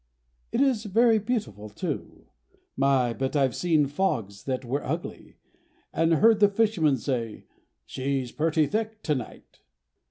It is very beautiful too. My, but I've seen fogs that were ugly, and heard the fisherman say "She's pretty thick tonight."